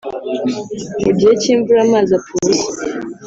Mu gihe cy’imvura amazi apfa ubusa